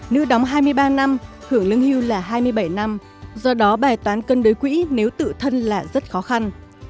nữ đóng hai mươi ba năm hưởng lương hưu là hai mươi bảy năm do đó bài toán cân đối quỹ nếu tự thân là rất khó khăn